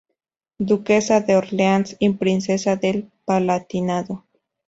Duquesa de Orleans y Princesa del Palatinado.